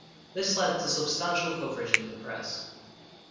This led to substantial coverage in the press.